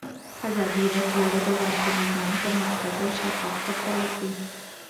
ازادي راډیو د بانکي نظام پرمختګ او شاتګ پرتله کړی.